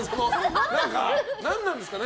何なんですかね。